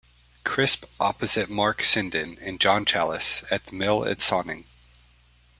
Crisp, opposite Marc Sinden and John Challis, at the Mill at Sonning.